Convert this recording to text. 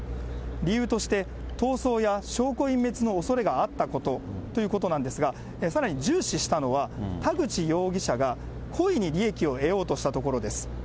理由として、逃走や証拠隠滅のおそれがあったことということなんですが、さらに重視したのは、田口容疑者が、故意に利益を得ようとしたところです。